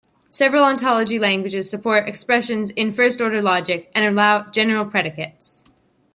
Several ontology languages support expressions in first-order logic and allow general predicates.